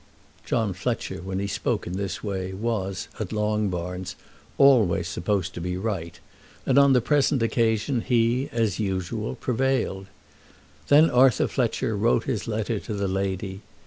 John Fletcher, when he spoke in this way, was, at Longbarns, always supposed to be right; and on the present occasion he, as usual, prevailed. Then Arthur Fletcher wrote his letter to the lady.